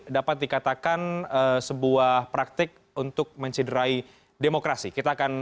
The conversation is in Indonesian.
dapat dikatakan sebagai penolakan